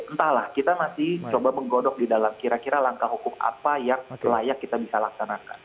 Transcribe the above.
entahlah kita masih coba menggodok di dalam kira kira langkah hukum apa yang layak kita bisa laksanakan